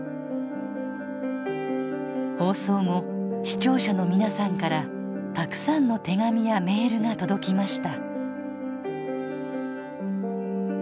放送後視聴者の皆さんからたくさんの手紙やメールが届きました